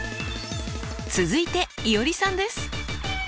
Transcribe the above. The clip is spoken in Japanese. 続いていおりさんです。